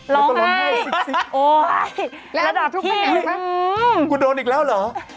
ล้องให้โอ๊ยแล้วอันดับทุกคนเห็นไหมคุณโดนอีกแล้วเหรอ